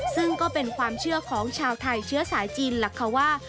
ซึ่งก็เป็นความเชื่อของชาวไทยเชื้อสายจีนล่ะค่ะว่า